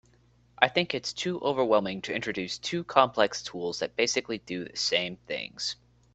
I think it’s too overwhelming to introduce two complex tools that basically do the same things.